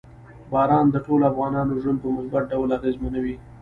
باران د ټولو افغانانو ژوند په مثبت ډول اغېزمنوي.